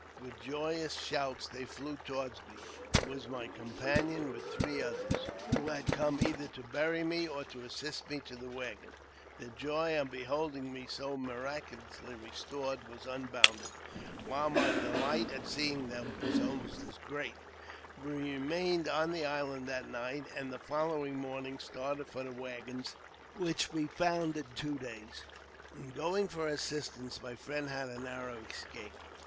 With joyous shouts they flew toward me. It was my com panion, with three others, who had come either to bury me or to assist me to the waggons. Their joy on beholding me so miraculously restored w^as unbounded, while my delight at seeing them was almost as great. We remained on the island that night, and the following morning started for the waggons, which we found in two days. In going for assistance, my friend had a narrow escape.